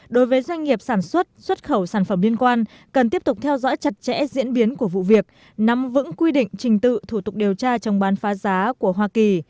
đối với doanh nghiệp sản xuất xuất khẩu sản phẩm liên quan cần tiếp tục theo dõi chặt chẽ diễn biến của vụ việc nắm vững quy định trình tự thủ tục điều tra trong bán phá giá của hoa kỳ